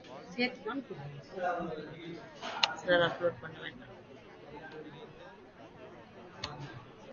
இன்ப அன்பு அடிகளார் இருபத்து மூன்று.